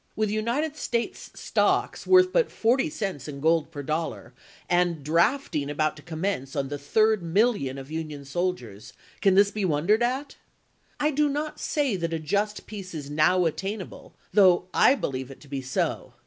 With United States stocks worth but forty cents in gold per dollar, and drafting about to com mence on the third million of Union soldiers, can this be wondered at ? I do not say that a just peace is now attainable, though I believe it to be so.